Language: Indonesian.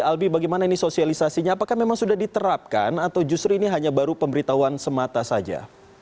albi bagaimana ini sosialisasinya apakah memang sudah diterapkan atau justru ini hanya baru pemberitahuan semata saja